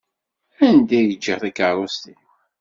Anda i ǧǧiɣ takeṛṛust-iw?